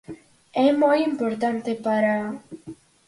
É moi importante para...